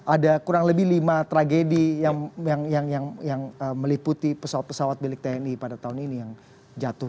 ada kurang lebih lima tragedi yang meliputi pesawat pesawat milik tni pada tahun ini yang jatuh